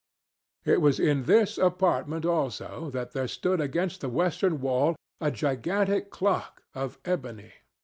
It was in this apartment, also, that there stood against the western wall, a gigantic clock of ebony.